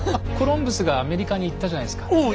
コロンブスがアメリカに行ったじゃないですか。